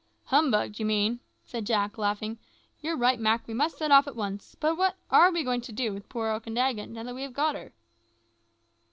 "Humbugged, you mean," said Jack, laughing. "You're right, Mak; we must set off at once. But what are we to do with poor Okandaga, now that we have got her?"